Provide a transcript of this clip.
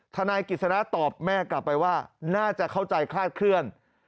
ทนายกิจสนะตอบแม่กลับไปว่าน่าจะเข้าใจคลาดเคลื่อน